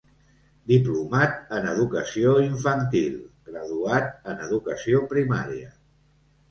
Diplomat en Educació Infantil, Graduat en Educació Primària.